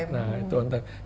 nah itu on time